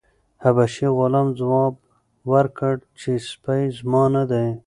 حبشي غلام ځواب ورکړ چې سپی زما نه دی.